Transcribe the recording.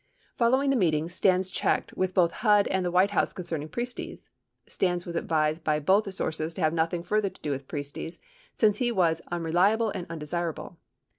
91 Following the meeting, Stans checked with both HUD and the White House concerning Priestes. Stans was advised by both sources to have nothing further to do with Priestes, since he was "unreliable and undesirable."